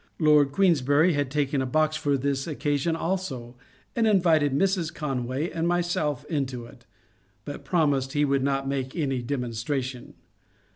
Lord Queensberry had taken a box for this occasion also, and invited Mrs. Conway and myself into it, but promised he would not make any demon stration.